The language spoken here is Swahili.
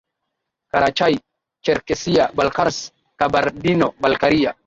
Karachay Cherkessia Balkars Kabardino Balkaria